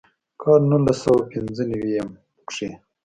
کال نولس سوه پينځۀ نوي يم کښې